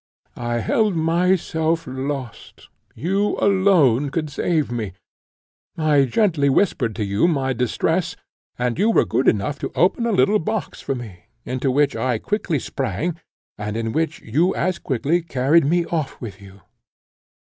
I held myself lost; you alone could save me: I gently whispered to you my distress, and you were good enough to open a little box for me, into which I quickly sprang, and in which you as quickly carried me off with you.